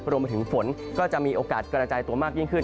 รวมไปถึงฝนก็จะมีโอกาสกระจายตัวมากยิ่งขึ้น